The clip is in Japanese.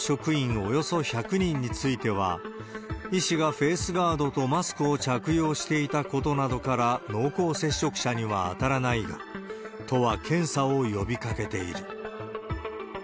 およそ１００人については、医師がフェースガードとマスクを着用していたことなどから濃厚接触者には当たらないが、都は検査を呼びかけている。